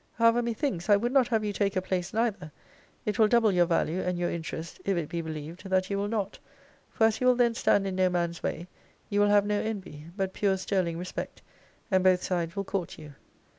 However, methinks, I would not have you take a place neither it will double your value, and your interest, if it be believed, that you will not: for, as you will then stand in no man's way, you will have no envy; but pure sterling respect; and both sides will court you.